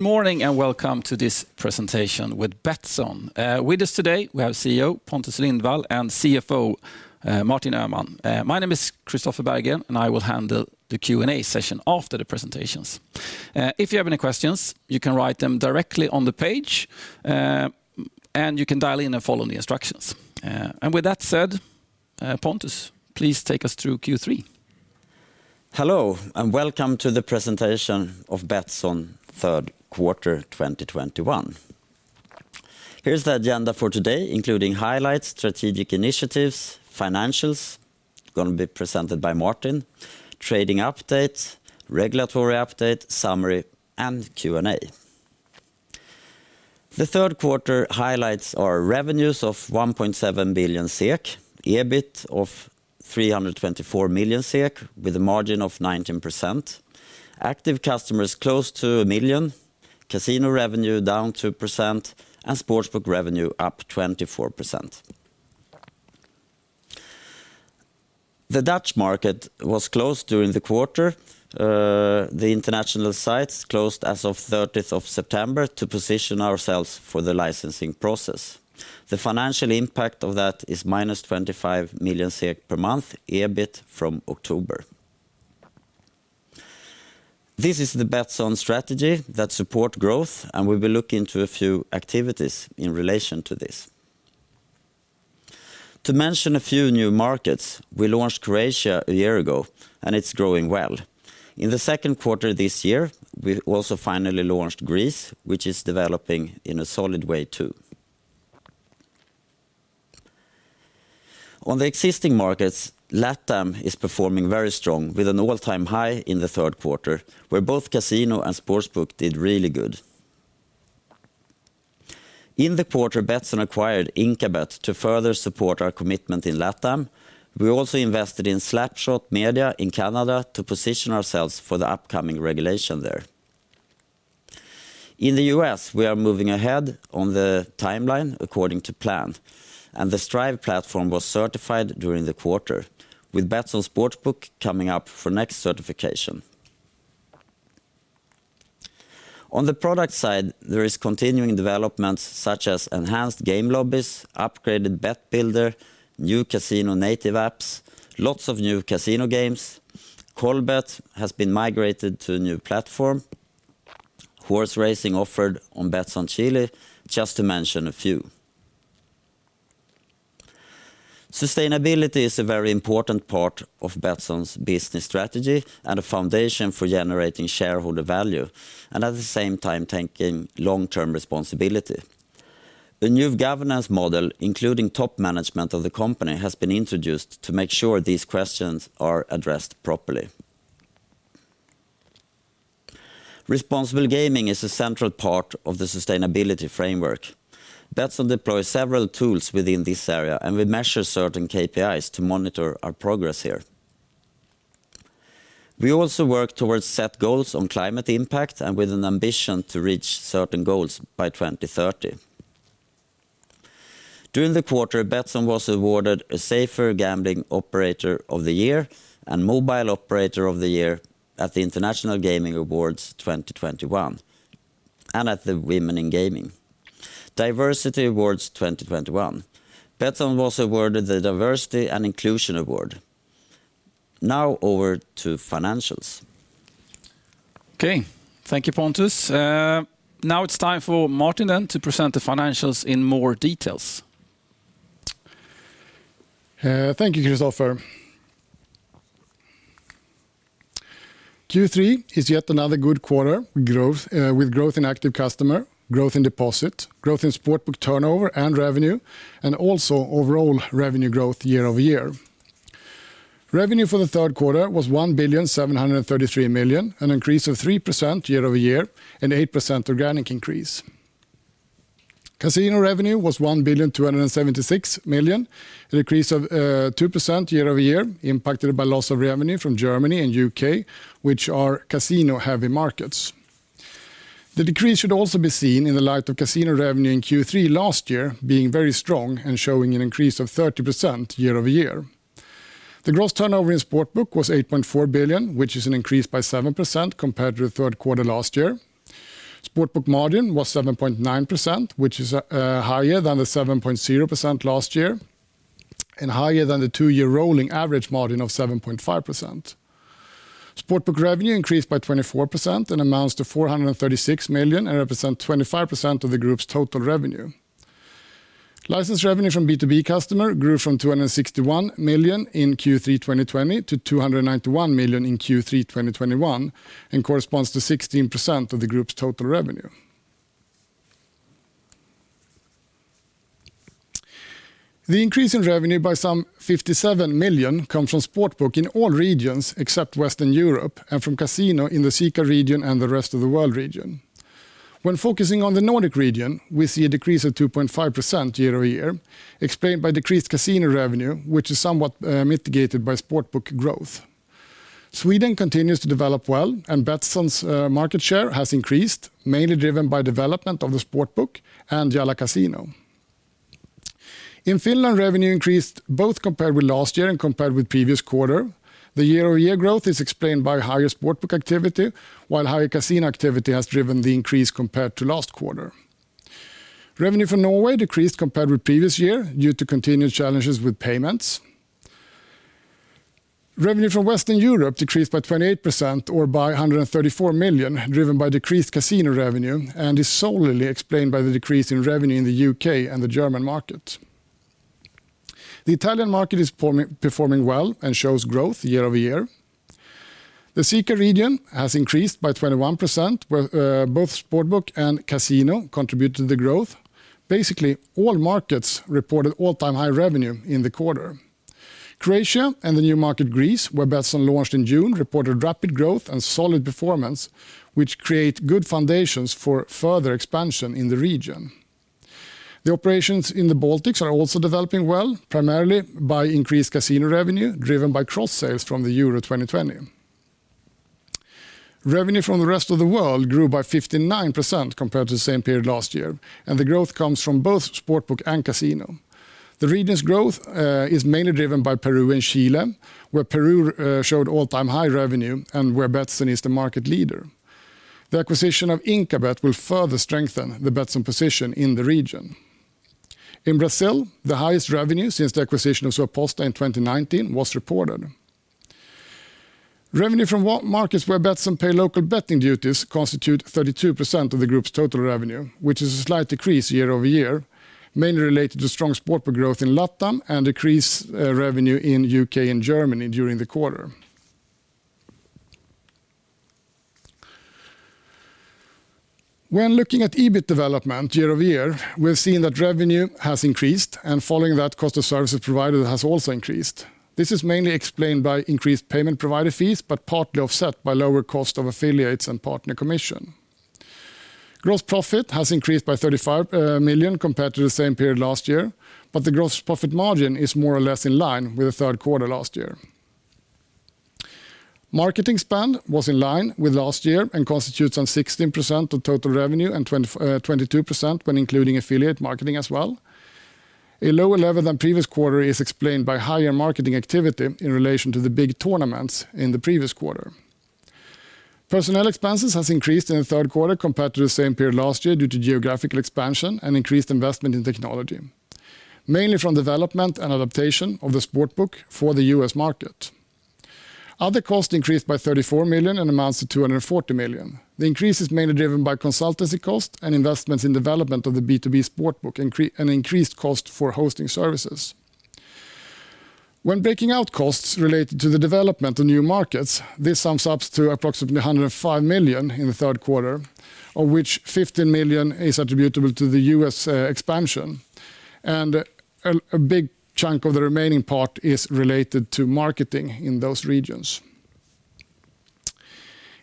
Good morning and welcome to this presentation with Betsson. With us today we have CEO Pontus Lindwall and CFO Martin Öhman. My name is Christopher Berggren, and I will handle the Q&A session after the presentations. If you have any questions, you can write them directly on the page, and you can dial in and follow the instructions. With that said, Pontus, please take us through Q3. Hello, and welcome to the presentation of Betsson third quarter 2021. Here's the agenda for today, including highlights, strategic initiatives, financials, gonna be presented by Martin, trading update, regulatory update, summary, and Q&A. The third quarter highlights are revenues of SEK 1.7 billion, EBIT of SEK 324 million with a margin of 19%, active customers close to 1 million, casino revenue down 2%, and sportsbook revenue up 24%. The Dutch market was closed during the quarter. The international sites closed as of 30th of September to position ourselves for the licensing process. The financial impact of that is -25 million per month, EBIT from October. This is the Betsson strategy that support growth, and we will look into a few activities in relation to this. To mention a few new markets, we launched Croatia a year ago, and it's growing well. In the second quarter this year, we also finally launched Greece, which is developing in a solid way too. On the existing markets, LATAM is performing very strong with an all-time high in the third quarter, where both casino and sportsbook did really good. In the quarter, Betsson acquired Inkabet to further support our commitment in LATAM. We also invested in Slapshot Media in Canada to position ourselves for the upcoming regulation there. In the US, we are moving ahead on the timeline according to plan, and the Strive platform was certified during the quarter, with Betsson sportsbook coming up for next certification. On the product side, there is continuing developments such as enhanced game lobbies, upgraded Bet Builder, new casino native apps, lots of new casino games. Colbet has been migrated to a new platform. Horse racing offered on Betsson Chile, just to mention a few. Sustainability is a very important part of Betsson's business strategy and a foundation for generating shareholder value and, at the same time, taking long-term responsibility. The new governance model, including top management of the company, has been introduced to make sure these questions are addressed properly. Responsible gaming is a central part of the sustainability framework. Betsson deploy several tools within this area, and we measure certain KPIs to monitor our progress here. We also work towards set goals on climate impact and with an ambition to reach certain goals by 2030. During the quarter, Betsson was awarded a Safer Gambling Operator of the Year and Mobile Operator of the Year at the International Gaming Awards 2021, and at the Women in Gaming Diversity Awards 2021. Betsson was awarded the Diversity & Inclusion Award. Now over to financials. Okay. Thank you, Pontus. Now it's time for Martin Öhman then to present the financials in more details. Thank you, Christopher. Q3 is yet another good quarter growth with growth in active customer, growth in deposit, growth in sportsbook turnover and revenue, and also overall revenue growth year-over-year. Revenue for the third quarter was 1,733 million, an increase of 3% year-over-year, and 8% organic increase. Casino revenue was 1,276 million, a decrease of 2% year-over-year, impacted by loss of revenue from Germany and U.K., which are casino-heavy markets. The decrease should also be seen in the light of casino revenue in Q3 last year being very strong and showing an increase of 30% year-over-year. The gross turnover in sportsbook was 8.4 billion, which is an increase by 7% compared to the third quarter last year. Sportsbook margin was 7.9%, which is higher than the 7.0% last year and higher than the two-year rolling average margin of 7.5%. Sportsbook revenue increased by 24% and amounts to 436 million and represent 25% of the group's total revenue. License revenue from B2B customer grew from 261 million in Q3 2020 to 291 million in Q3 2021 and corresponds to 16% of the group's total revenue. The increase in revenue by some 57 million come from sportsbook in all regions except Western Europe and from casino in the CEECA region and the Rest of the World region. When focusing on the Nordic region, we see a decrease of 2.5% year-over-year, explained by decreased casino revenue, which is somewhat mitigated by sportsbook growth. Sweden continues to develop well, and Betsson's market share has increased, mainly driven by development of the sportsbook and Jalla Casino. In Finland, revenue increased both compared with last year and compared with previous quarter. The year-over-year growth is explained The operations in the Baltics are also developing well, primarily by increased casino revenue, driven by cross-sales from Euro 2020. Revenue from the rest of the world grew by 59% compared to the same period last year, and the growth comes from both sportsbook and casino. The region's growth is mainly driven by Peru and Chile, where Peru showed all-time high revenue and where Betsson is the market leader. The acquisition of Inkabet will further strengthen the Betsson position in the region. In Brazil, the highest revenue since the acquisition of Suaposta in 2019 was reported. Revenue from what markets where Betsson pay local betting duties constitute 32% of the group's total revenue, which is a slight decrease year-over-year, mainly related to strong sportsbook growth in LatAm and decreased revenue in U.K. and Germany during the quarter. When looking at EBIT development year-over-year, we're seeing that revenue has increased, and following that, cost of services provided has also increased. This is mainly explained by increased payment provider fees, but partly offset by lower cost of affiliates and partner commission. Gross profit has increased by 35 million compared to the same period last year, but the gross profit margin is more or less in line with the third quarter last year. Marketing spend was in line with last year and constitutes around 16% of total revenue and 22% when including affiliate marketing as well. A lower level than previous quarter is explained by higher marketing activity in relation to the big tournaments in the previous quarter. Personnel expenses has increased in the third quarter compared to the same period last year due to geographical expansion and increased investment in technology, mainly from development and adaptation of the sportsbook for the U.S. market. Other costs increased by 34 million and amounts to 240 million. The increase is mainly driven by consultancy cost and investments in development of the B2B sportsbook, and increased cost for hosting services. When breaking out costs related to the development of new markets, this sums up to approximately 105 million in the third quarter, of which 50 million is attributable to the U.S. expansion, and a big chunk of the remaining part is related to marketing in those regions.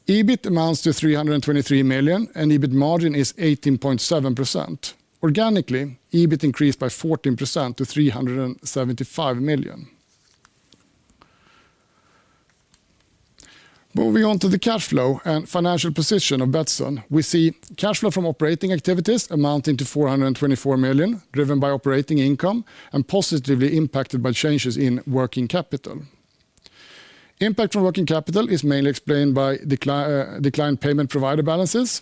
EBIT amounts to 323 million, and EBIT margin is 18.7%. Organically, EBIT increased by 14% to 375 million. Moving on to the cash flow and financial position of Betsson, we see cash flow from operating activities amounting to 424 million, driven by operating income and positively impacted by changes in working capital. Impact from working capital is mainly explained by declined payment provider balances.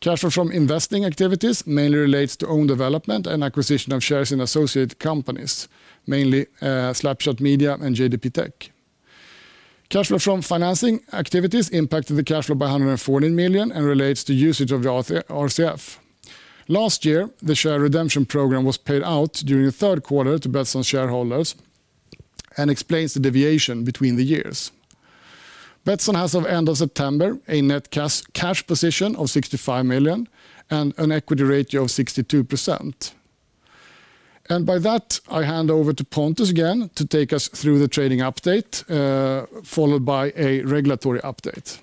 Cash flow from investing activities mainly relates to own development and acquisition of shares in associated companies, mainly Slapshot Media and JDP Tech. Cash flow from financing activities impacted the cash flow by 140 million and relates to usage of the RCF. Last year, the share redemption program was paid out during the third quarter to Betsson shareholders and explains the deviation between the years. Betsson has, as of the end of September, a net cash position of 65 million and an equity ratio of 62%. By that, I hand over to Pontus again to take us through the trading update, followed by a regulatory update.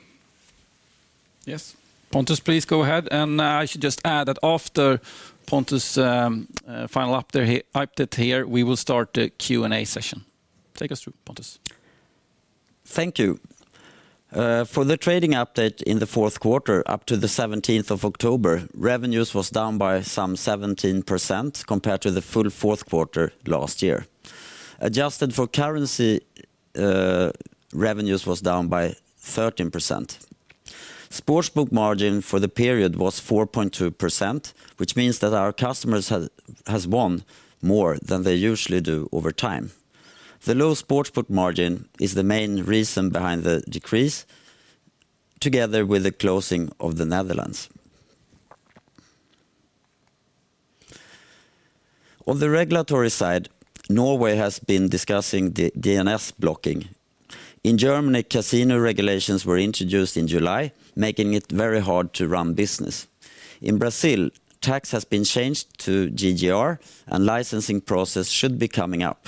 Yes. Pontus, please go ahead. I should just add that after Pontus' final update here, we will start the Q&A session. Take us through, Pontus. Thank you. For the trading update in the fourth quarter, up to the 17th of October, revenues was down by some 17% compared to the full fourth quarter last year. Adjusted for currency, revenues was down by 13%. Sportsbook margin for the period was 4.2%, which means that our customers has won more than they usually do over time. The low sportsbook margin is the main reason behind the decrease, together with the closing of the Netherlands. On the regulatory side, Norway has been discussing the DNS blocking. In Germany, casino regulations were introduced in July, making it very hard to run business. In Brazil, tax has been changed to GGR, and licensing process should be coming up.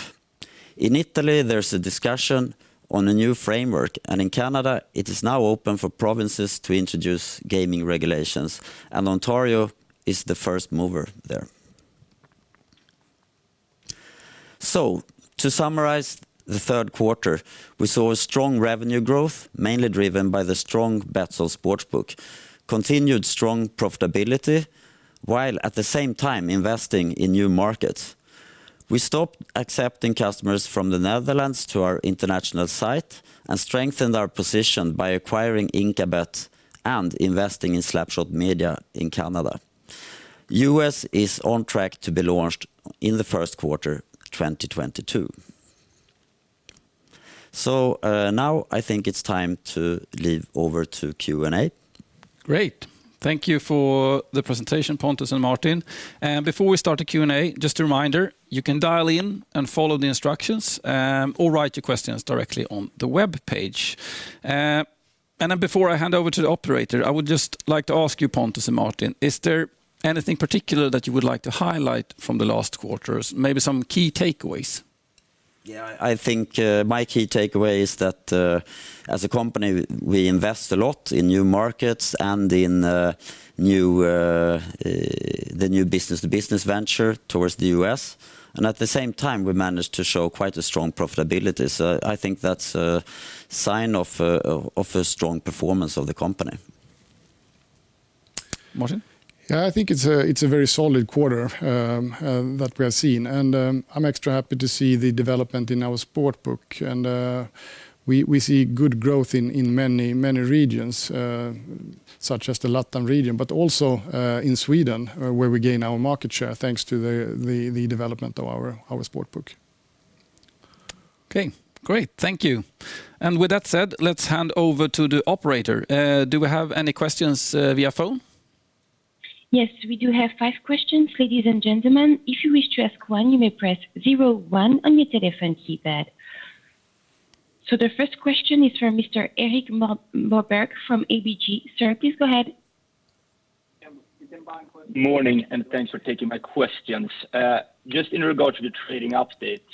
In Italy, there's a discussion on a new framework, and in Canada, it is now open for provinces to introduce gaming regulations, and Ontario is the first mover there. To summarize the third quarter, we saw a strong revenue growth, mainly driven by the strong Betsson Sportsbook, continued strong profitability, while at the same time investing in new markets. We stopped accepting customers from the Netherlands to our international site and strengthened our position by acquiring Inkabet and investing in Slapshot Media in Canada. U.S. is on track to be launched in the first quarter, 2022. Now I think it's time to hand over to Q&A. Great. Thank you for the presentation, Pontus and Martin. Before we start the Q&A, just a reminder, you can dial in and follow the instructions, or write your questions directly on the webpage. Before I hand over to the operator, I would just like to ask you, Pontus and Martin, is there anything particular that you would like to highlight from the last quarters? Maybe some key takeaways. Yeah. I think my key takeaway is that as a company, we invest a lot in new markets and in the new business to business venture towards the U.S., and at the same time, we managed to show quite a strong profitability. I think that's a sign of a strong performance of the company. Martin? Yeah, I think it's a very solid quarter that we have seen, and I'm extra happy to see the development in our sportsbook. We see good growth in many regions, such as the LATAM region, but also in Sweden, where we gain our market share thanks to the development of our sportsbook. Okay, great. Thank you. With that said, let's hand over to the operator. Do we have any questions via phone? Yes, we do have five questions, ladies and gentlemen. If you wish to ask one, you may press zero-one on your telephone keypad. The first question is from Mr. Erik Moberg from ABG. Sir, please go ahead. Morning, thanks for taking my questions. Just in regard to the trading update,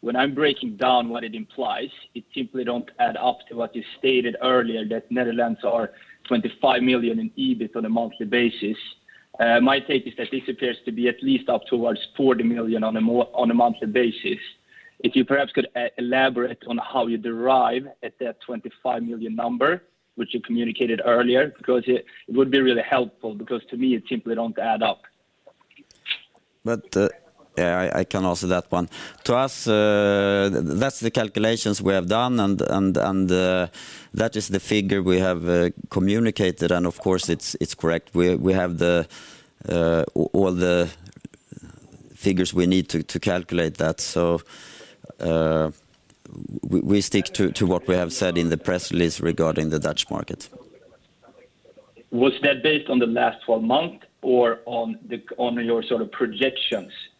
when I'm breaking down what it implies, it simply don't add up to what you stated earlier that Netherlands are 25 million in EBIT on a monthly basis. My take is that this appears to be at least up towards 40 million on a monthly basis. If you perhaps could elaborate on how you arrive at that 25 million number, which you communicated earlier, because it would be really helpful, because to me, it simply don't add up. Yeah, I can answer that one.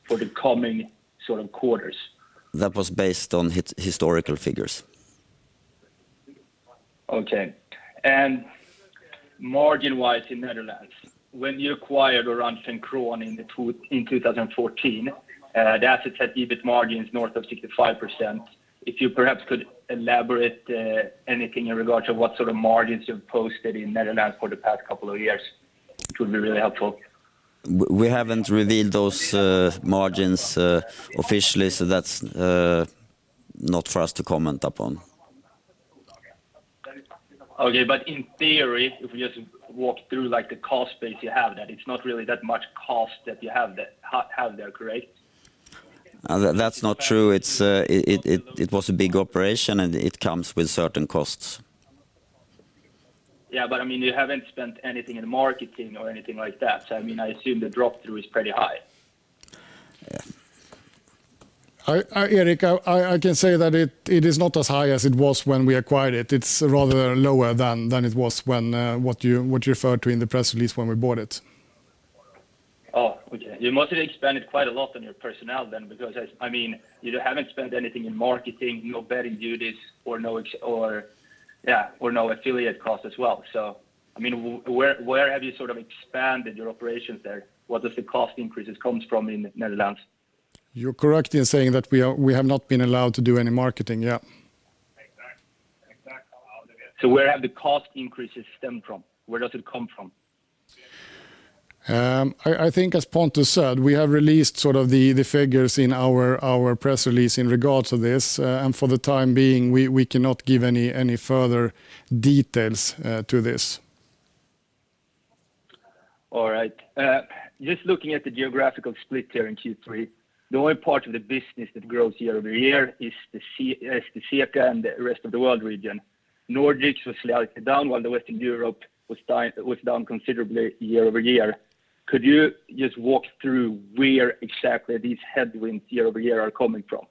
To us, that's the calculations we have done and that is the figure we have communicated, and of course, it's correct. We have all the figures we need to calculate that. We stick to what we have said in the press release regarding the Dutch market. Was that based on the last 12 months or on your sort of projections for the coming sort of quarters? That was based on his historical figures. Okay. Margin-wise in the Netherlands, when you acquired Oranje and Kroon in 2014, the assets had EBIT margins north of 65%. If you perhaps could elaborate, anything in regard to what sort of margins you've posted in the Netherlands for the past couple of years, which would be really helpful. We haven't revealed those margins officially, so that's not for us to comment upon. Okay. In theory, if we just walk through, like, the cost base you have, that it's not really that much cost that you have there, correct? That's not true. It was a big operation, and it comes with certain costs. Yeah, I mean, you haven't spent anything in marketing or anything like that. I mean, I assume the drop-through is pretty high. Yeah. Erik, I can say that it is not as high as it was when we acquired it. It's rather lower than it was when what you referred to in the press release when we bought it. Oh, okay. You must have expanded quite a lot on your personnel then because I mean, you haven't spent anything in marketing, no betting duties or no affiliate costs as well. I mean, where have you sort of expanded your operations there? What does the cost increases comes from in Netherlands? You're correct in saying that we have not been allowed to do any marketing. Yeah. Exactly. Where have the cost increases stemmed from? Where does it come from? I think as Pontus said, we have released the figures in our press release in regards to this. For the time being, we cannot give any further details to this. All right. Just looking at the geographical split here in Q3, the only part of the business that grows year-over-year is the CECA and the rest of the world region. Nordics was slightly down while Western Europe was down considerably year-over-year. Could you just walk through where exactly these headwinds year-over-year are coming from?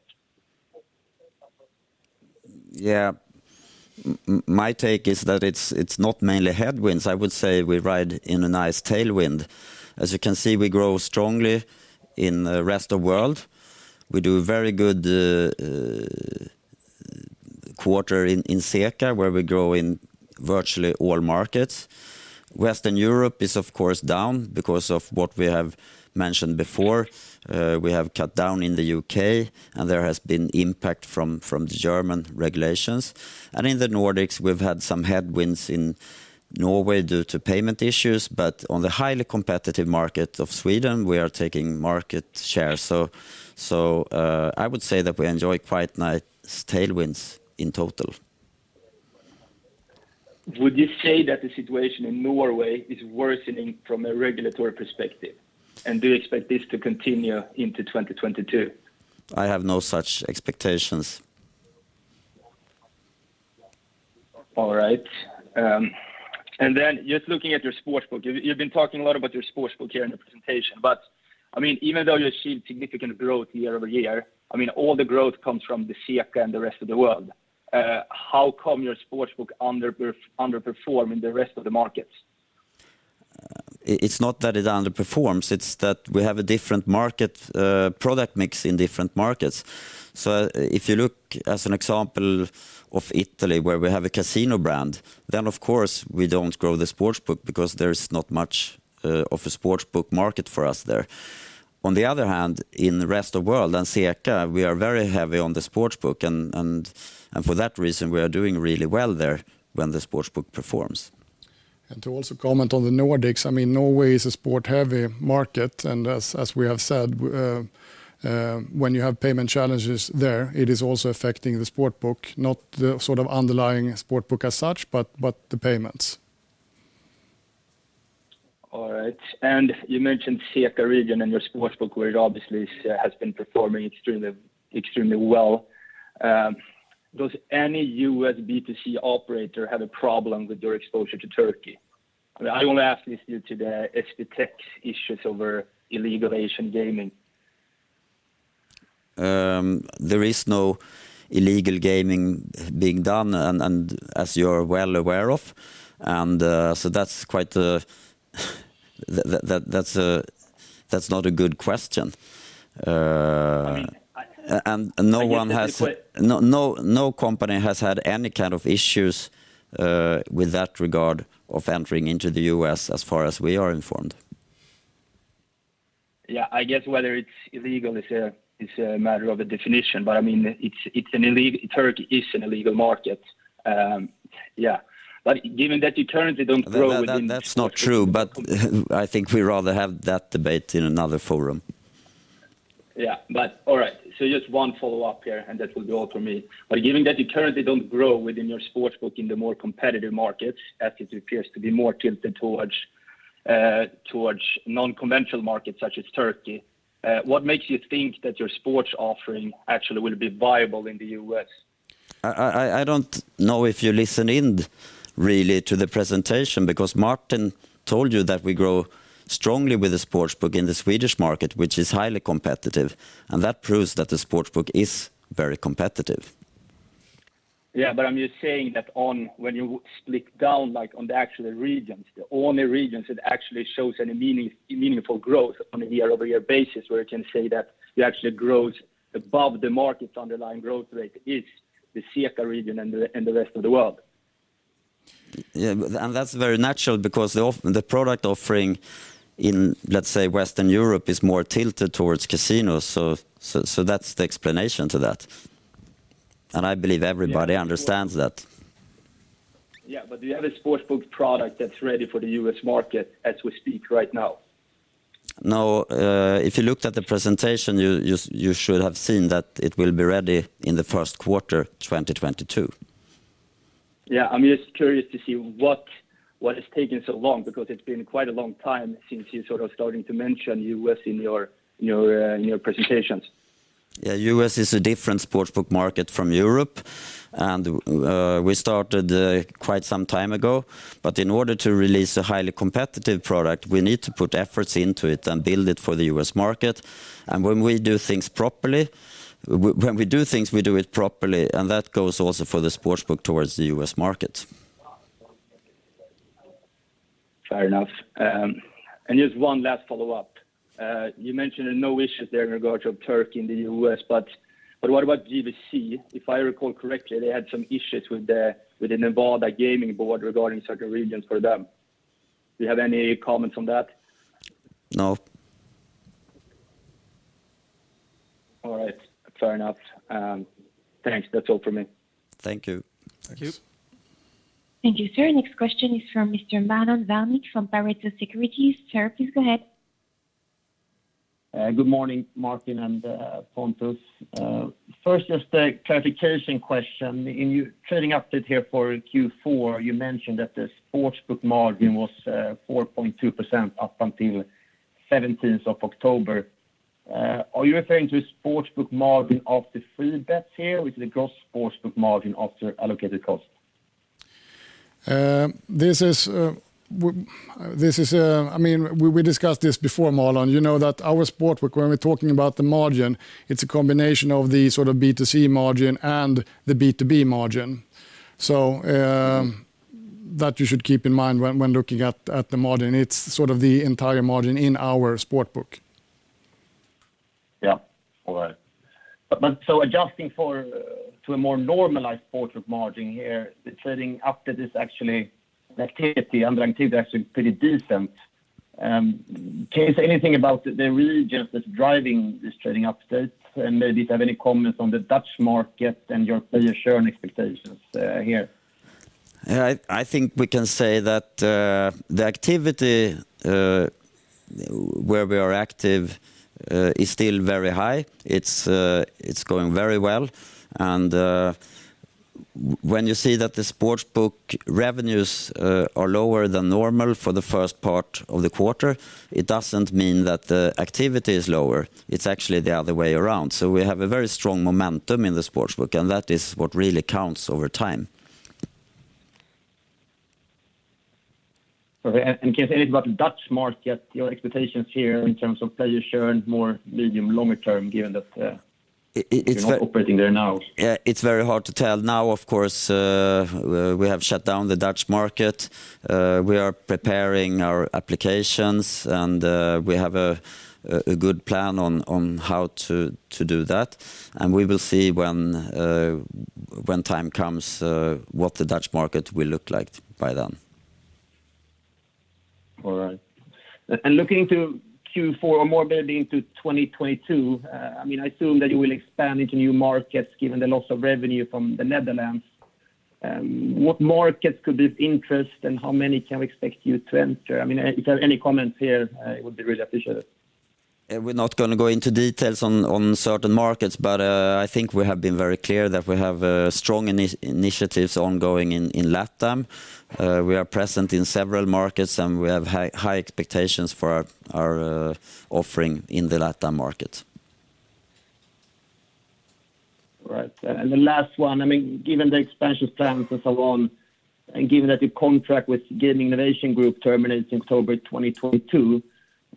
Yeah. My take is that it's not mainly headwinds. I would say we ride in a nice tailwind. As you can see, we grow strongly in the rest of world. We do very good quarter in CECA, where we grow in virtually all markets. Western Europe is of course down because of what we have mentioned before. We have cut down in the U.K. and there has been impact from the German regulations. In the Nordics, we've had some headwinds in Norway due to payment issues, but on the highly competitive market of Sweden, we are taking market share. I would say that we enjoy quite nice tailwinds in total. Would you say that the situation in Norway is worsening from a regulatory perspective? Do you expect this to continue into 2022? I have no such expectations. All right. And then just looking at your sportsbook, you've been talking a lot about your sportsbook here in the presentation. I mean, even though you achieved significant growth year-over-year, I mean, all the growth comes from the CECA and the rest of the world. How come your sportsbook underperform in the rest of the markets? It's not that it underperforms, it's that we have a different market, product mix in different markets. If you look as an example of Italy, where we have a casino brand, then of course we don't grow the sports book because there is not much of a sports book market for us there. On the other hand, in the rest of world and CECA, we are very heavy on the sports book and for that reason, we are doing really well there when the sports book performs. To also comment on the Nordics, I mean, Norway is a sport-heavy market. As we have said, when you have payment challenges there, it is also affecting the sports book, not the sort of underlying sports book as such, but the payments. All right. You mentioned CECA region and your sports book, where it obviously has been performing extremely well. Does any U.S. B2C operator have a problem with their exposure to Turkey? I only ask this due to the SBTech issues over illegal Asian gaming. There is no illegal gaming being done and as you're well aware of. That's not a good question. I mean. No one has. I guess the way- No company has had any kind of issues with that regard of entering into the U.S. as far as we are informed. Yeah. I guess whether it's illegal is a matter of a definition, but I mean, it's. Turkey is an illegal market. Yeah. Given that you currently don't grow within- That's not true, but I think we rather have that debate in another forum. Yeah. All right. Just one follow-up here, and that will be all for me. Given that you currently don't grow within your sportsbook in the more competitive markets, as it appears to be more tilted towards non-conventional markets such as Turkey, what makes you think that your sports offering actually will be viable in the U.S.? I don't know if you listened in really to the presentation because Martin told you that we grow strongly with the sports book in the Swedish market, which is highly competitive, and that proves that the sports book is very competitive. Yeah. I'm just saying that on when you split down, like, on the actual regions, the only regions that actually shows any meaningful growth on a year-over-year basis, where you can say that you actually grows above the market's underlying growth rate is the CECA region and the rest of the world. Yeah. That's very natural because the product offering in, let's say, Western Europe is more tilted towards casinos. That's the explanation to that. I believe everybody understands that. Yeah. Do you have a sports book product that's ready for the U.S. market as we speak right now? No. If you looked at the presentation, you should have seen that it will be ready in the first quarter 2022. Yeah. I'm just curious to see what is taking so long, because it's been quite a long time since you sort of starting to mention U.S. in your presentations. Yeah, U.S. is a different sports book market from Europe. We started quite some time ago, but in order to release a highly competitive product, we need to put efforts into it and build it for the U.S. market. When we do things, we do it properly. That goes also for the sports book towards the U.S. market. Fair enough. Just one last follow-up. You mentioned no issues there in regard to Turkey and the US, but what about GVC? If I recall correctly, they had some issues with the Nevada Gaming Control Board regarding certain regions for them. Do you have any comments on that? No. All right. Fair enough. Thanks. That's all for me. Thank you. Thank you. Thank you, sir. Next question is from Mr. Georg Attling from Pareto Securities. Sir, please go ahead. Good morning, Martin and Pontus. First, just a clarification question. In your trading update here for Q4, you mentioned that the sportsbook margin was 4.2% up until seventeenth of October. Are you referring to a sportsbook margin of the free bets here with the gross sportsbook margin of the allocated cost? I mean, we discussed this before, Georg. You know that our sports book, when we're talking about the margin, it's a combination of the sort of B2C margin and the B2B margin. That you should keep in mind when looking at the margin, it's sort of the entire margin in our sports book. Adjusting to a more normalized sportsbook margin here, the trading activity is actually pretty decent. Can you say anything about the regions that's driving this trading update? Maybe if you have any comments on the Dutch market and your share and expectations here. I think we can say that the activity where we are active is still very high. It's going very well. When you see that the sportsbook revenues are lower than normal for the first part of the quarter, it doesn't mean that the activity is lower, it's actually the other way around. We have a very strong momentum in the sportsbook, and that is what really counts over time. Okay. Can you say about the Dutch market, your expectations here in terms of player share and more medium, longer term given that? It's ve- You're not operating there now. Yeah, it's very hard to tell. Now, of course, we have shut down the Dutch market. We are preparing our applications and we have a good plan on how to do that. We will see when time comes what the Dutch market will look like by then. All right. Looking to Q4 or more building to 2022, I mean, I assume that you will expand into new markets given the loss of revenue from the Netherlands. What markets could be of interest, and how many can we expect you to enter? I mean, if you have any comments here, it would be really appreciated. Yeah. We're not gonna go into details on certain markets, but I think we have been very clear that we have strong initiatives ongoing in LatAm. We are present in several markets, and we have high expectations for our offering in the LatAm market. All right. The last one, I mean, given the expansion plans and so on, and given that the contract with Gaming Innovation Group terminates in October 2022,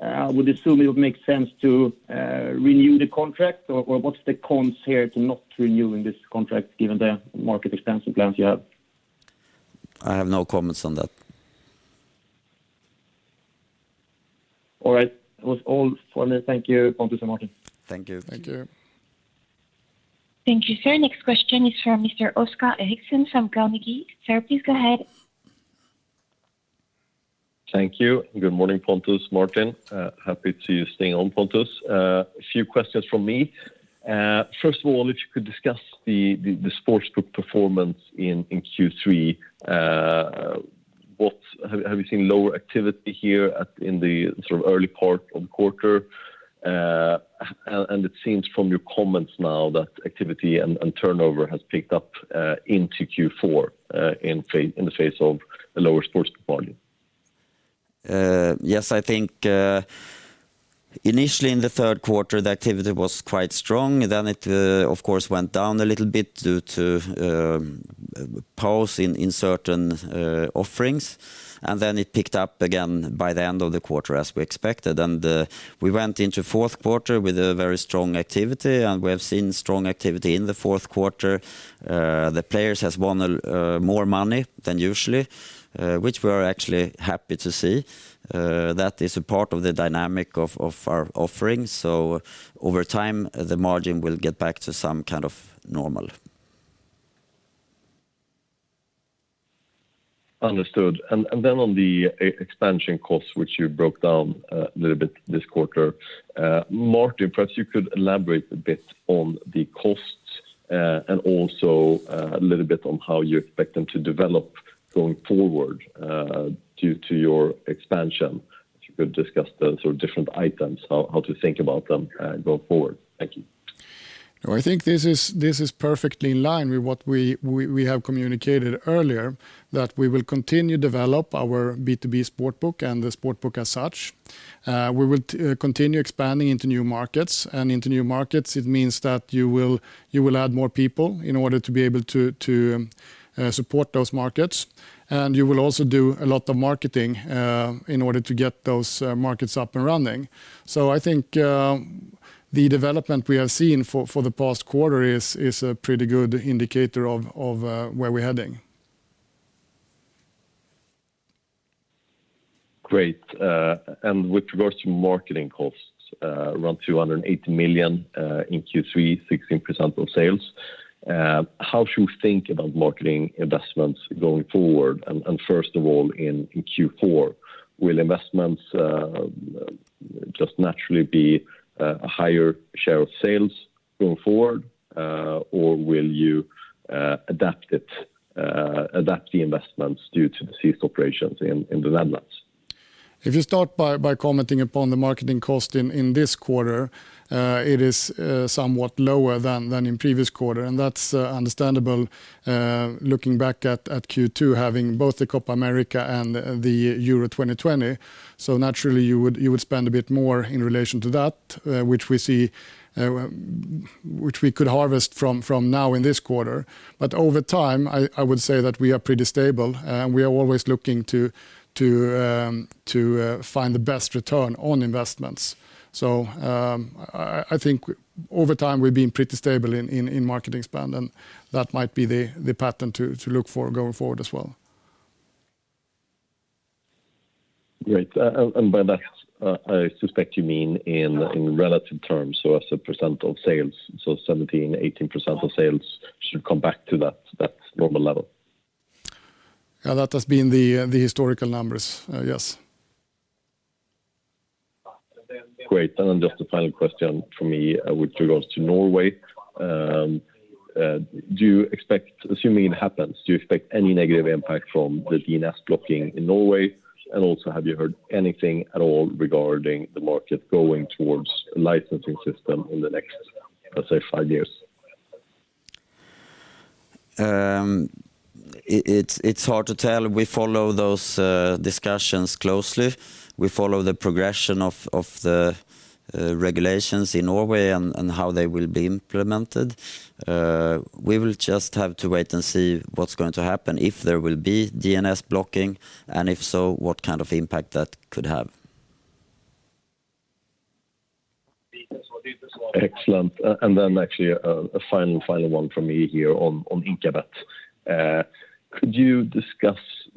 I would assume it would make sense to renew the contract or what's the cons here to not renewing this contract given the market expansion plans you have? I have no comments on that. All right. That was all for me. Thank you, Pontus and Martin. Thank you. Thank you. Thank you, sir. Next question is from Mr. Oskar Eriksson from Carnegie. Sir, please go ahead. Thank you. Good morning, Pontus, Martin. Happy you're staying on, Pontus. A few questions from me. First of all, if you could discuss the sports book performance in Q3. Have you seen lower activity here in the sort of early part of the quarter? It seems from your comments now that activity and turnover has picked up into Q4 in the face of a lower sports book volume. Yes. I think initially in the third quarter, the activity was quite strong. It, of course, went down a little bit due to pause in certain offerings, and then it picked up again by the end of the quarter as we expected. We went into fourth quarter with a very strong activity, and we have seen strong activity in the fourth quarter. The players has won more money than usually, which we are actually happy to see. That is a part of the dynamic of our offerings. Over time, the margin will get back to some kind of normal. Understood. Then on the expansion costs, which you broke down a little bit this quarter. Martin, perhaps you could elaborate a bit on the costs, and also a little bit on how you expect them to develop going forward, due to your expansion. If you could discuss the sort of different items, how to think about them going forward. Thank you. No, I think this is perfectly in line with what we have communicated earlier, that we will continue develop our B2B sportsbook and the sportsbook as such. We will continue expanding into new markets, and into new markets it means that you will add more people in order to be able to support those markets. You will also do a lot of marketing in order to get those markets up and running. I think the development we have seen for the past quarter is a pretty good indicator of where we're heading. Great, with regards to marketing costs around 280 million in Q3, 16% of sales, how should we think about marketing investments going forward? First of all in Q4, will investments just naturally be a higher share of sales going forward, or will you adapt the investments due to the ceased operations in the Netherlands? If you start by commenting upon the marketing cost in this quarter, it is somewhat lower than in previous quarter, and that's understandable, looking back at Q2 having both the Copa América and the Euro 2020. Naturally you would spend a bit more in relation to that, which we could harvest from now in this quarter. Over time, I would say that we are pretty stable, and we are always looking to find the best return on investments. I think over time we've been pretty stable in marketing spend, and that might be the pattern to look for going forward as well. Great. By that, I suspect you mean in relative terms, so as a percent of sales, 17%-18% of sales should come back to that normal level. Yeah. That has been the historical numbers. Yes. Great. Then just a final question from me, which regards to Norway. Assuming it happens, do you expect any negative impact from the DNS blocking in Norway? Also, have you heard anything at all regarding the market going towards licensing system in the next, let's say, five years? It's hard to tell. We follow those discussions closely. We follow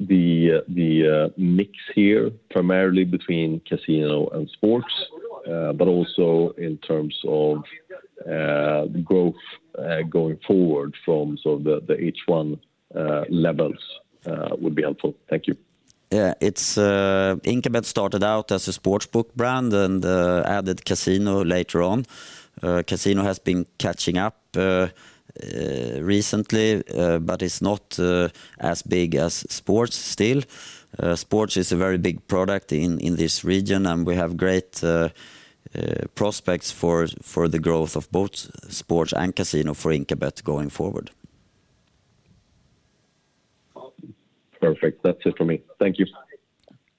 the progression of the regulations in Norway and how they will be implemented. We will just have to wait and see what's going to happen, if there will be DNS blocking, and if so, what kind of impact that could have. Excellent. Actually a final one from me here on Inkabet. Could you discuss the mix here, primarily between casino and sports, but also in terms of the growth going forward from sort of the H1 levels, would be helpful. Thank you. Yeah. Inkabet started out as a sportsbook brand and added casino later on. Casino has been catching up recently, but it's not as big as sports still. Sports is a very big product in this region, and we have great prospects for the growth of both sports and casino for Inkabet going forward. Awesome. Perfect. That's it from me. Thank you.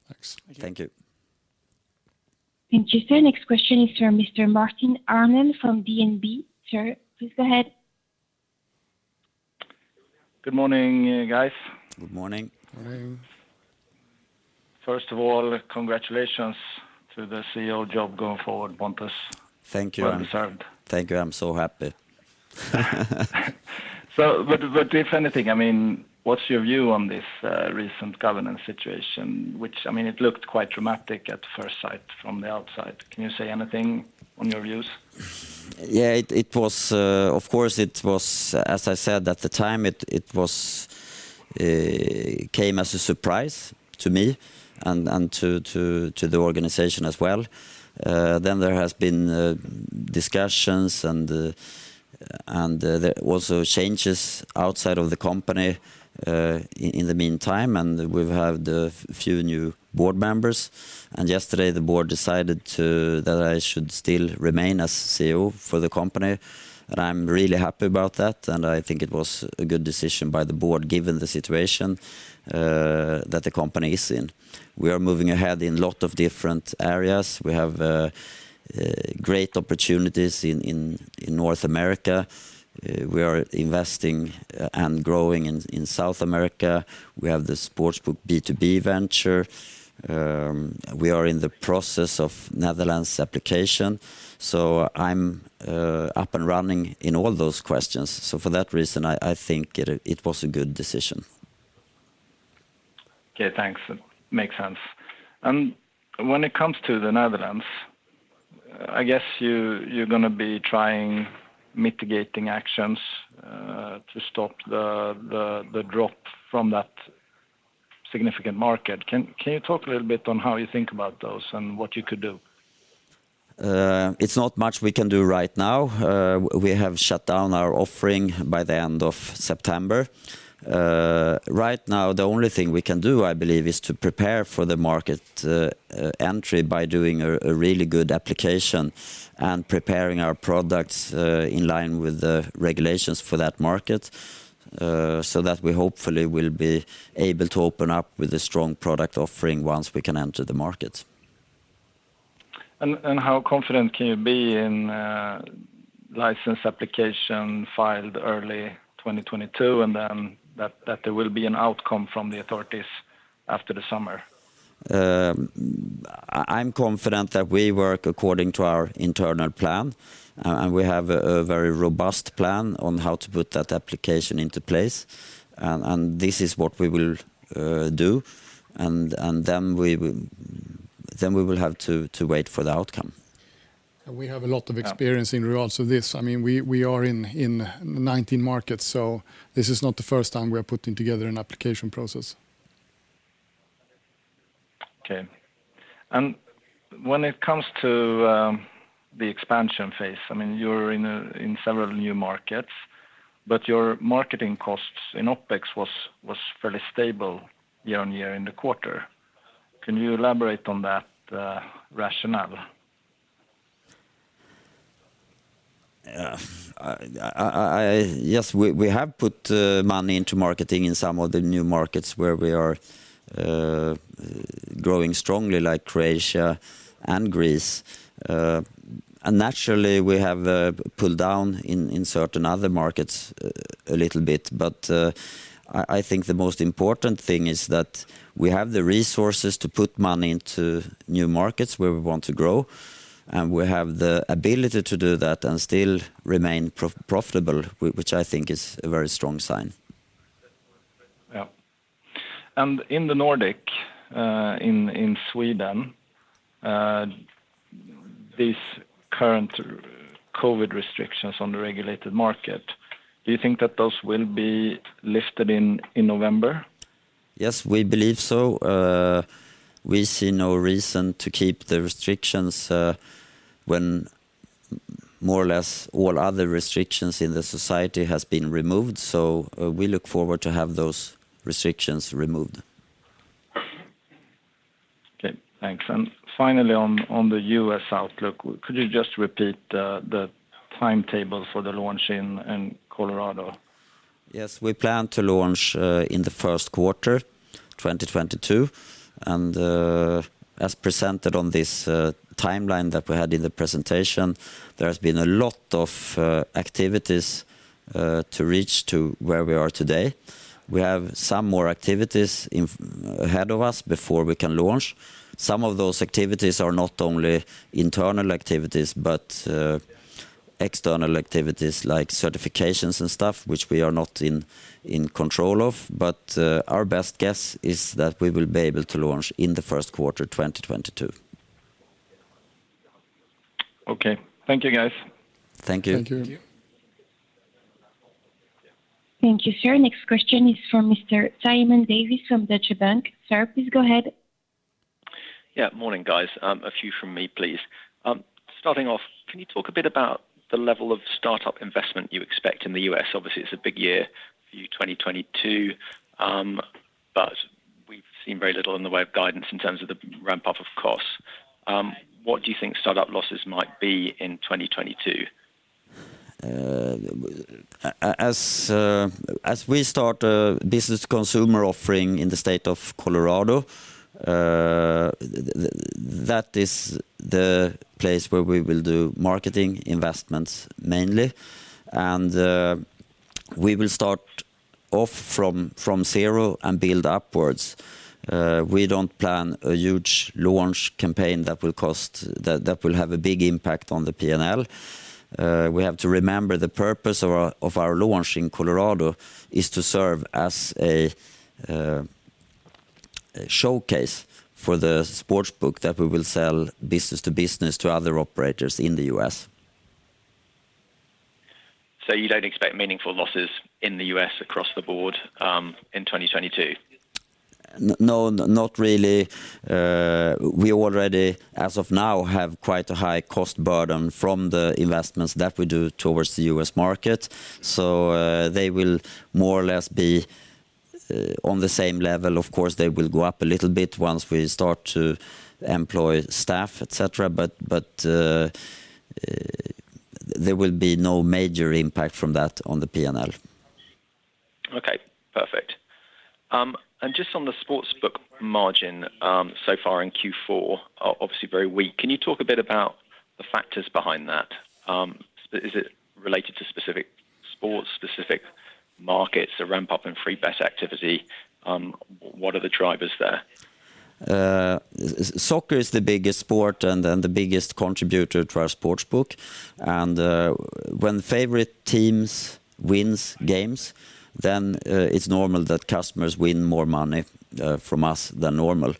Thanks. Thank you. Thank you. Thank you, sir. Next question is from Mr. Martin Arnell from DNB. Sir, please go ahead. Good morning, guys. Good morning. Morning. First of all, congratulations to the CEO job going forward, Pontus. Thank you. Well deserved. Thank you. I'm so happy. But if anything, I mean, what's your view on this recent governance situation which, I mean, it looked quite dramatic at first sight from the outside. Can you say anything on your views? It was, of course, as I said at the time, it came as a surprise to me and to the organization as well. Then there have been discussions and there have also been changes outside of the company, in the meantime, and we've had a few new board members. Yesterday, the board decided that I should still remain as CEO for the company, and I'm really happy about that, and I think it was a good decision by the board given the situation that the company is in. We are moving ahead in a lot of different areas. We have great opportunities in North America. We are investing and growing in South America. We have the sportsbook B2B venture. We are in the process of Netherlands application. I'm up and running in all those questions. For that reason, I think it was a good decision. Okay. Thanks. Makes sense. When it comes to the Netherlands, I guess you're gonna be trying mitigating actions to stop the drop from that significant market. Can you talk a little bit on how you think about those and what you could do? It's not much we can do right now. We have shut down our offering by the end of September. Right now, the only thing we can do, I believe, is to prepare for the market entry by doing a really good application and preparing our products in line with the regulations for that market, so that we hopefully will be able to open up with a strong product offering once we can enter the market. How confident can you be in a license application filed early 2022, and then that there will be an outcome from the authorities after the summer? I'm confident that we work according to our internal plan, and we have a very robust plan on how to put that application into place. This is what we will do, and then we will have to wait for the outcome. We have a lot of experience. Yeah... in regards to this. I mean, we are in 19 markets, so this is not the first time we are putting together an application process. Okay. When it comes to the expansion phase, I mean, you're in several new markets, but your marketing costs in OpEx was fairly stable year-on-year in the quarter. Can you elaborate on that rationale? Yes, we have put money into marketing in some of the new markets where we are growing strongly, like Croatia and Greece. Naturally we have pulled down in certain other markets a little bit. I think the most important thing is that we have the resources to put money into new markets where we want to grow, and we have the ability to do that and still remain profitable, which I think is a very strong sign. Yeah. In the Nordic, in Sweden, this current COVID restrictions on the regulated market, do you think that those will be lifted in November? Yes, we believe so. We see no reason to keep the restrictions, when more or less all other restrictions in the society has been removed. We look forward to have those restrictions removed. Okay. Thanks. Finally, on the U.S. outlook, could you just repeat the timetable for the launch in Colorado? Yes. We plan to launch in the first quarter, 2022. As presented on this timeline that we had in the presentation, there has been a lot of activities to reach to where we are today. We have some more activities ahead of us before we can launch. Some of those activities are not only internal activities, but external activities like certifications and stuff, which we are not in control of. Our best guess is that we will be able to launch in the first quarter, 2022. Okay. Thank you, guys. Thank you. Thank you. Thank you, sir. Next question is from Mr. Simon Davies from Deutsche Bank. Sir, please go ahead. Yeah. Morning, guys. A few from me, please. Starting off, can you talk a bit about the level of startup investment you expect in the U.S.? Obviously, it's a big year for you, 2022. We've seen very little in the way of guidance in terms of the ramp-up of costs. What do you think startup losses might be in 2022? As we start a B2C offering in the state of Colorado, that is the place where we will do marketing investments mainly. We will start off from zero and build upwards. We don't plan a huge launch campaign that will have a big impact on the P&L. We have to remember the purpose of our launch in Colorado is to serve as a showcase for the sportsbook that we will sell business to business to other operators in the U.S. You don't expect meaningful losses in the U.S. across the board in 2022? No, not really. We already, as of now, have quite a high cost burden from the investments that we do towards the U.S. market. They will more or less be on the same level. Of course, they will go up a little bit once we start to employ staff, et cetera. There will be no major impact from that on the P&L. Okay. Perfect. Just on the sportsbook margin, so far in Q4 are obviously very weak. Can you talk a bit about the factors behind that? Is it related to specific sports, specific markets, a ramp-up in free bet activity? What are the drivers there? Soccer is the biggest sport and then the biggest contributor to our sports book. When favorite teams wins games, then it's normal that customers win more money from us than normal.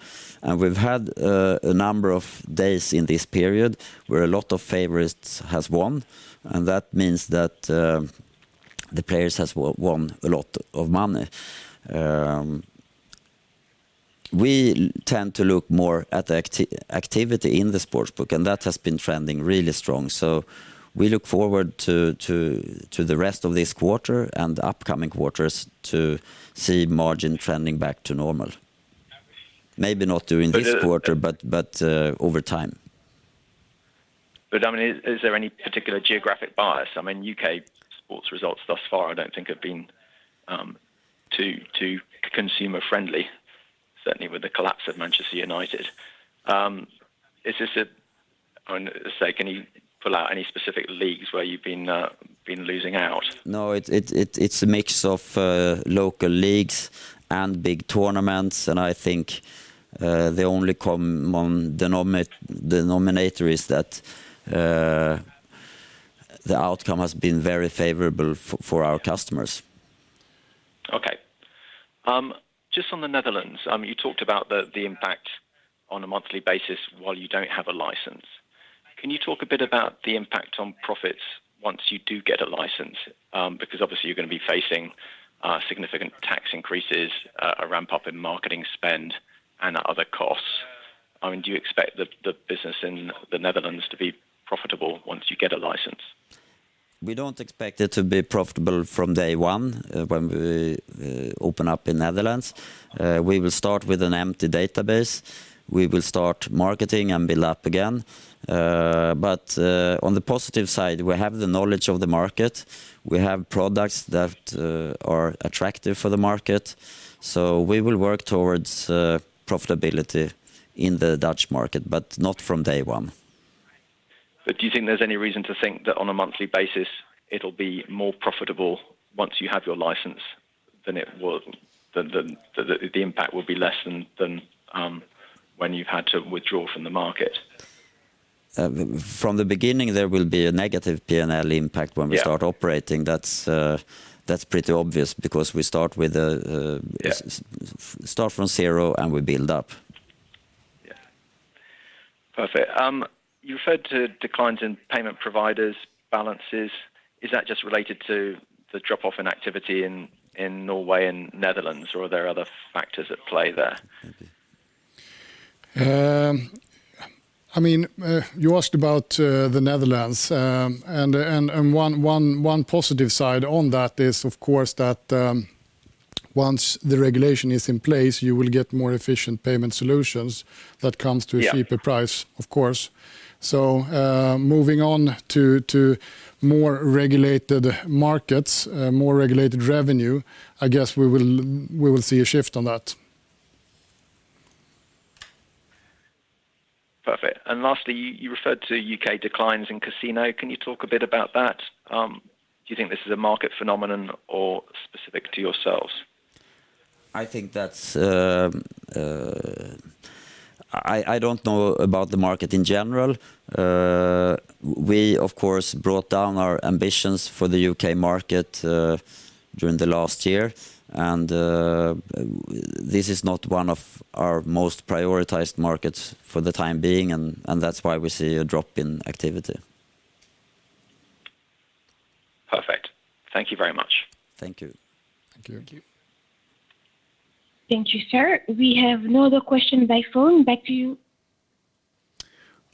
We've had a number of days in this period where a lot of favorites has won, and that means that the players has won a lot of money. We tend to look more at activity in the sports book, and that has been trending really strong. We look forward to the rest of this quarter and upcoming quarters to see margin trending back to normal. Maybe not during this quarter, but over time. I mean, is there any particular geographic bias? I mean, U.K. sports results thus far I don't think have been too consumer friendly, certainly with the collapse of Manchester United. So can you pull out any specific leagues where you've been losing out? No. It's a mix of local leagues and big tournaments. I think the only common denominator is that the outcome has been very favorable for our customers. Okay. Just on the Netherlands, you talked about the impact on a monthly basis while you don't have a license. Can you talk a bit about the impact on profits once you do get a license? Because obviously you're gonna be facing significant tax increases, a ramp-up in marketing spend and other costs. I mean, do you expect the business in the Netherlands to be profitable once you get a license? We don't expect it to be profitable from day one, when we open up in Netherlands. We will start with an empty database. We will start marketing and build up again. On the positive side, we have the knowledge of the market. We have products that are attractive for the market. We will work towards profitability in the Dutch market, but not from day one. Do you think there's any reason to think that on a monthly basis it'll be more profitable once you have your license than the impact will be less than when you've had to withdraw from the market? From the beginning, there will be a negative P&L impact when we start operating. Yeah. That's pretty obvious because we start with Yeah. Start from zero, and we build up. Perfect. You referred to declines in payment providers balances. Is that just related to the drop off in activity in Norway and Netherlands, or are there other factors at play there? I mean, you asked about the Netherlands, and one positive side on that is of course that once the regulation is in place, you will get more efficient payment solutions that comes to Yeah... a cheaper price, of course. Moving on to more regulated markets, more regulated revenue, I guess we will see a shift on that. Perfect. Lastly, you referred to U.K. declines in casino. Can you talk a bit about that? Do you think this is a market phenomenon or specific to yourselves? I think that's. I don't know about the market in general. We of course brought down our ambitions for the U.K. market during the last year and this is not one of our most prioritized markets for the time being and that's why we see a drop in activity. Perfect. Thank you very much. Thank you. Thank you. Thank you, sir. We have no other question by phone. Back to you.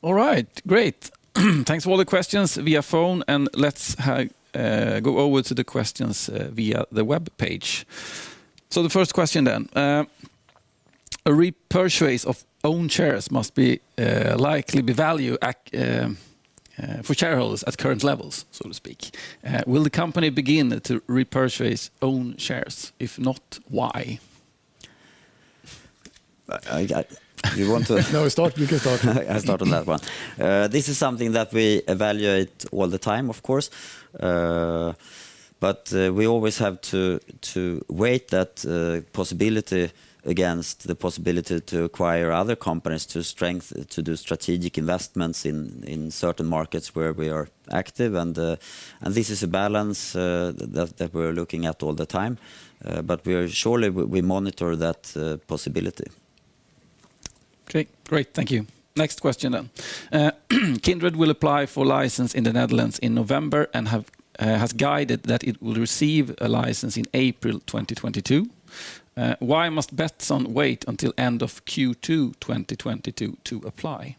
All right. Great. Thanks for all the questions via phone, and let's go over to the questions via the webpage. The first question then. A repurchase of own shares must be likely value accretive for shareholders at current levels, so to speak. Will the company begin to repurchase own shares? If not, why? You want to No, start. You can start. I start on that one. This is something that we evaluate all the time, of course. We always have to weigh that possibility against the possibility to acquire other companies to strengthen, to do strategic investments in certain markets where we are active and this is a balance that we're looking at all the time. We surely monitor that possibility. Great. Thank you. Next question. Kindred will apply for license in the Netherlands in November and has guided that it will receive a license in April 2022. Why must Betsson wait until end of Q2 2022 to apply?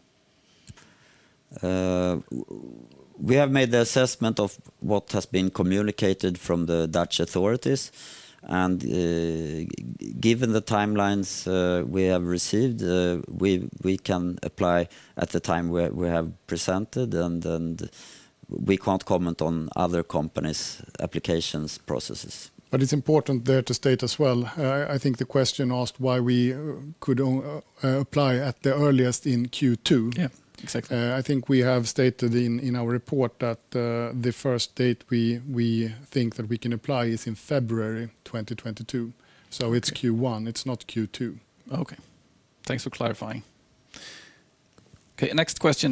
We have made the assessment of what has been communicated from the Dutch authorities, and given the timelines we have received, we can apply at the time we have presented, and we can't comment on other companies' applications processes. It's important there to state as well, I think the question asked why we could apply at the earliest in Q2. Yeah. Exactly. I think we have stated in our report that the first date we think that we can apply is in February 2022. It's Q1, it's not Q2. Okay. Thanks for clarifying. Okay, next question.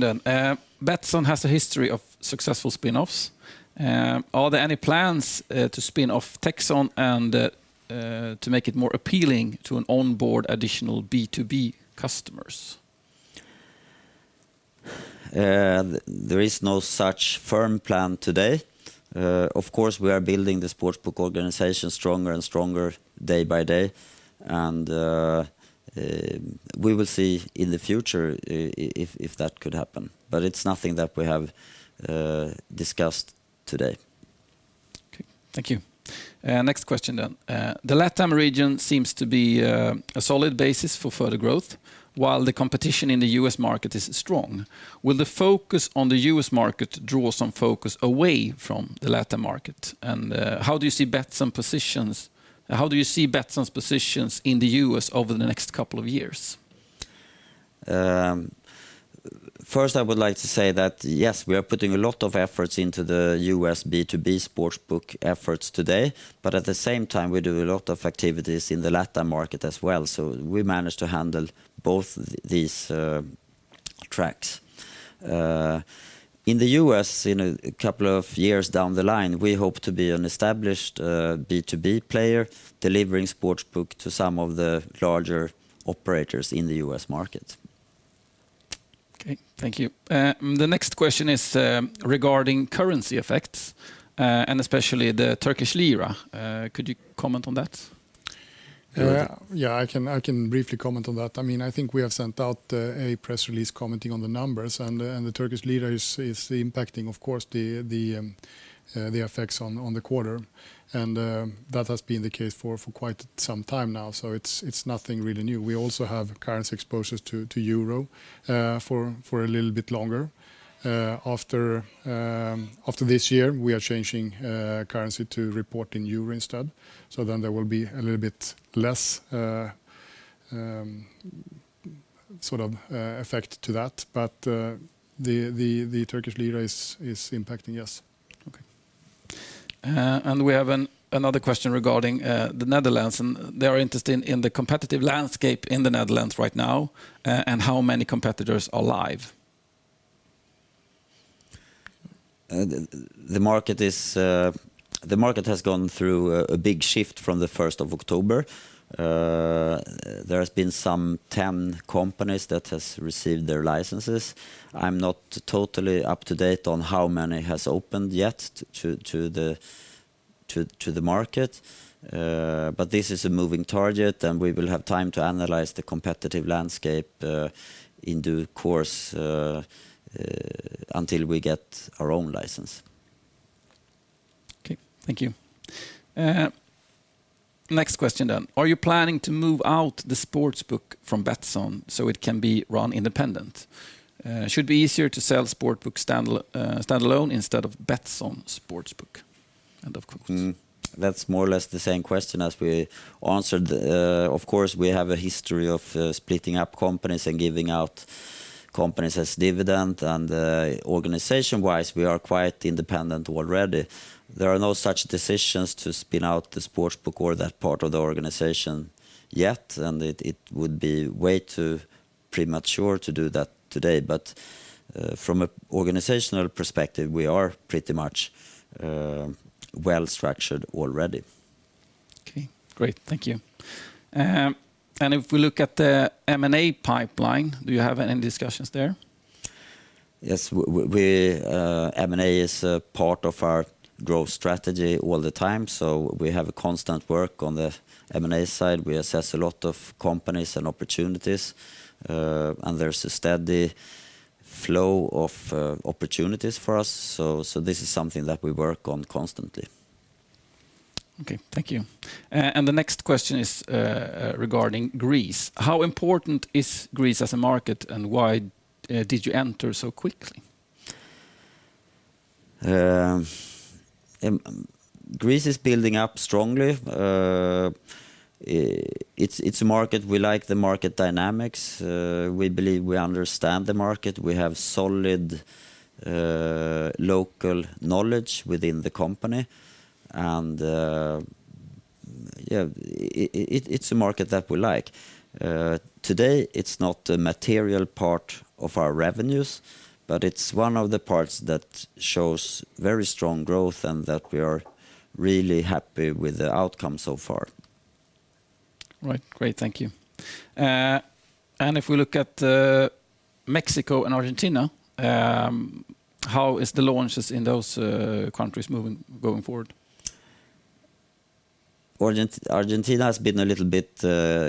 Betsson has a history of successful spin-offs. Are there any plans to spin-off Techsson and to make it more appealing to onboard additional B2B customers? There is no such firm plan today. Of course, we are building the sportsbook organization stronger and stronger day by day, and we will see in the future if that could happen. It's nothing that we have discussed today. Okay. Thank you. Next question. The LatAm region seems to be a solid basis for further growth, while the competition in the U.S. market is strong. Will the focus on the U.S. market draw some focus away from the LatAm market? How do you see Betsson's positions in the U.S. over the next couple of years? First, I would like to say that yes, we are putting a lot of efforts into the U.S. B2B sports book efforts today, but at the same time, we do a lot of activities in the LatAm market as well. We manage to handle both these tracks. In the U.S., in a couple of years down the line, we hope to be an established B2B player delivering sports book to some of the larger operators in the U.S. market. Okay. Thank you. The next question is regarding currency effects and especially the Turkish lira. Could you comment on that? Yeah. I can briefly comment on that. I until we get our own license. Okay. Thank you. Next question. Are you planning to move out the sportsbook from Betsson so it can be run independent? Should be easier to sell sportsbook standalone instead of Betsson sportsbook. End of quotes. That's more or less the same question as we answered. Of course, we have a history of splitting up companies and giving out companies as dividend. Organization-wise, we are quite independent already. There are no such decisions to spin out the sports book or that part of the organization yet, and it would be way too premature to do that today. From a organizational perspective, we are pretty much well-structured already. Okay. Great. Thank you. If we look at the M&A pipeline, do you have any discussions there? Yes. M&A is a part of our growth strategy all the time, so we have a constant work on the M&A side. We assess a lot of companies and opportunities, and there's a steady flow of opportunities for us. This is something that we work on constantly. Okay. Thank you. The next question is regarding Greece. How important is Greece as a market, and why did you enter so quickly? Greece is building up strongly. It's a market we like the market dynamics. We believe we understand the market. We have solid local knowledge within the company. Yeah, it's a market that we like. Today it's not a material part of our revenues, but it's one of the parts that shows very strong growth and that we are really happy with the outcome so far. All right. Great. Thank you. If we look at Mexico and Argentina, how is the launches in those countries moving going forward? Argentina has been a little bit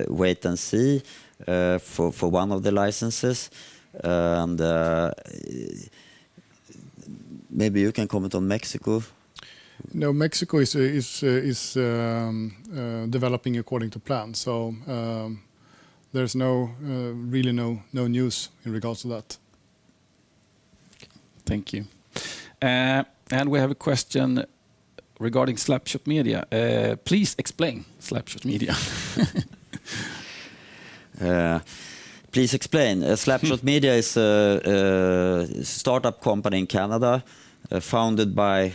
wait and see for one of the licenses. Maybe you can comment on Mexico. No, Mexico is developing according to plan. There's really no news in regards to that. Thank you. We have a question regarding Slapshot Media. Please explain Slapshot Media. Please explain. Yeah. Slapshot Media is a startup company in Canada, founded by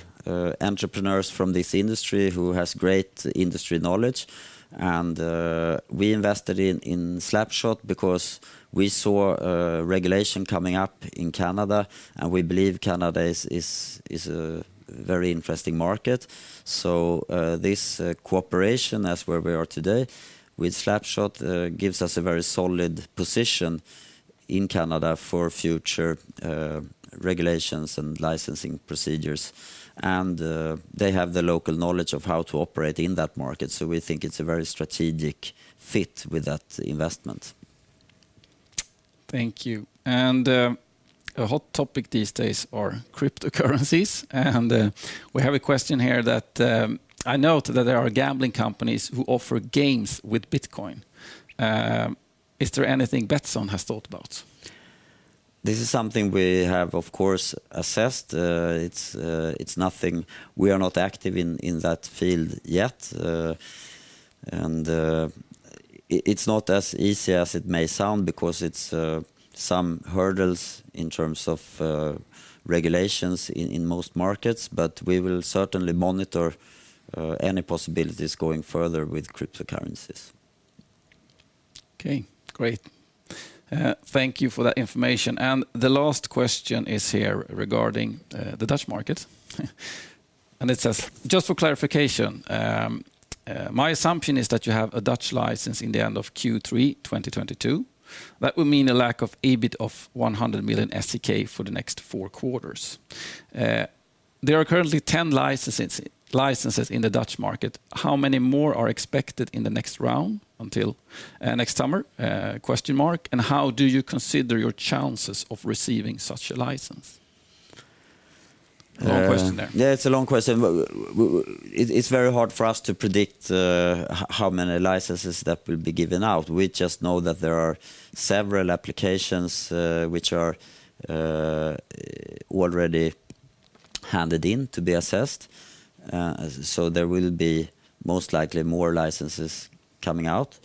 entrepreneurs from this industry who has great industry knowledge. We invested in Slapshot because we saw regulation coming up in Canada, and we believe Canada is a very interesting market. This cooperation, that's where we are today, with Slapshot, gives us a very solid position in Canada for future regulations and licensing procedures. They have the local knowledge of how to operate in that market, so we think it's a very strategic fit with that investment. Thank you. A hot topic these days are cryptocurrencies. We have a question here that I note that there are gambling companies who offer games with Bitcoin. Is there anything Betsson has thought about? This is something we have, of course, assessed. It's nothing. We are not active in that field yet. It's not as easy as it may sound because it's some hurdles in terms of regulations in most markets. We will certainly monitor any possibilities going further with cryptocurrencies. Okay. Great. Thank you for that information. The last question is here regarding the Dutch market. It says, just for clarification, my assumption is that you have a Dutch license in the end of Q3 2022. That would mean a lack of EBIT of 100 million for the next four quarters. There are currently 10 licenses in the Dutch market. How many more are expected in the next round until next summer? How do you consider your chances of receiving such a license? Uh- Long question there. Yeah, it's a long question. It's very hard for us to predict how many licenses that will be given out. We just know that there are several applications which are already handed in to be assessed. There will be most likely more licenses coming out.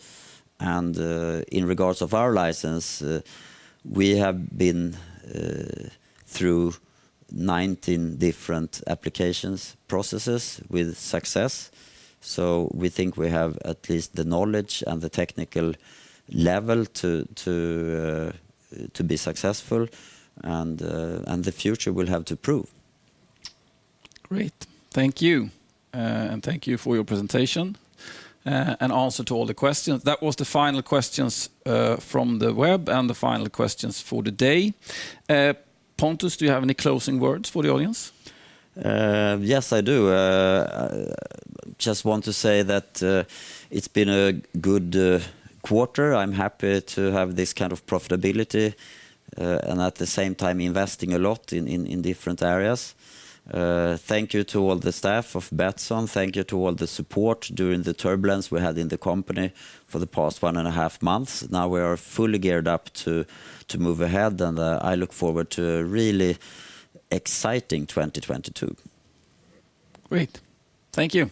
In regards of our license, we have been through 19 different applications processes with success. We think we have at least the knowledge and the technical level to be successful, and the future will have to prove. Great. Thank you. Thank you for your presentation and answer to all the questions. That was the final questions from the web and the final questions for the day. Pontus, do you have any closing words for the audience? Yes, I do. Just want to say that it's been a good quarter. I'm happy to have this kind of profitability and at the same time investing a lot in different areas. Thank you to all the staff of Betsson. Thank you to all the support during the turbulence we had in the company for the past one and a half months. Now we are fully geared up to move ahead, and I look forward to a really exciting 2022. Great. Thank you.